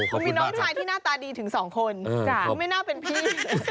คุณมีน้องชายที่หน้าตาดีถึงสองคนเขาไม่น่าเป็นพี่